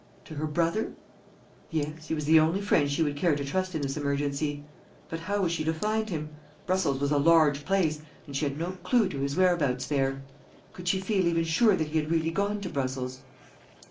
To her brother? Yes, he was the only friend she would care to trust in this emergency. But how was she to find him? Brussels was a large place, and she had no clue to his whereabouts there. Could she feel even sure that he had really gone to Brussels?